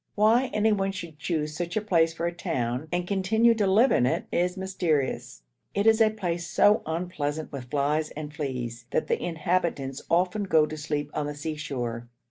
Why anyone should choose such a place for a town, and continue to live in it, is mysterious. It is a place so unpleasant with flies and fleas, that the inhabitants often go to sleep on the seashore.